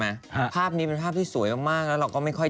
มานานมากเลย